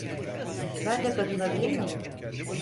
Ben de katılabilir miyim?